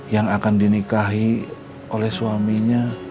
yang akan dinikahi oleh suaminya